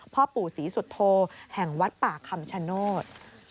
พ่อปู่ศรีสุโธแห่งวัดป่าคำชโนธ